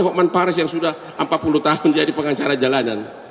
hokman paris yang sudah empat puluh tahun jadi pengacara jalanan